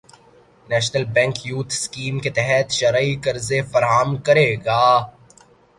national bank youth scheme کے تحت شرعی قرضے فراہم کرے گا